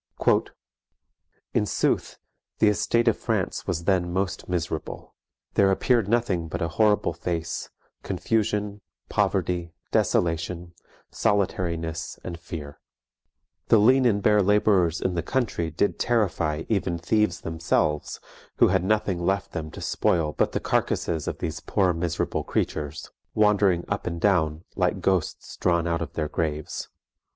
"In sooth, the estate of France was then most miserable. There appeared nothing but a horrible face, confusion, poverty, desolation, solitarinesse, and feare. The lean and bare labourers in the country did terrifie even theeves themselves, who had nothing left them to spoile but the carkasses of these poore miserable creatures, wandering up and down like ghostes drawne out of their graves.